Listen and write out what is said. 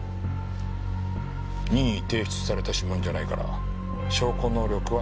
任意提出された指紋じゃないから証拠能力はない。